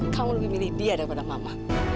kamu lebih milih dia daripada mama